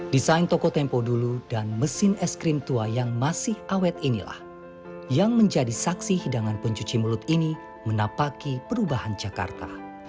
desain toko tempo dulu dan mesin es krim tua yang masih awet inilah yang menjadi saksi hidangan pencuci mulut ini menapaki perubahan jakarta